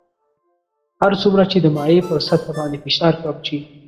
هر څومره چې د مایع پر سطح باندې فشار کم شي.